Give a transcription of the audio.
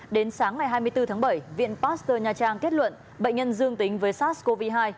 đến sáng ngày hai mươi bốn tháng bảy viện pasteur nha trang kết luận bệnh nhân dương tính với sars cov hai